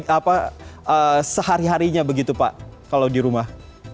apa sehari harinya begitu pak kalau di rumah